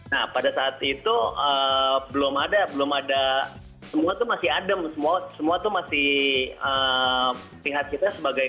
nah pada saat itu belum ada belum ada semua tuh masih adem semua semua tuh masih pihak kita sebagai